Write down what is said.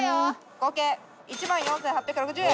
合計１４，８６０円。